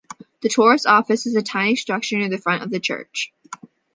The tourist office is a tiny structure near the front of the church.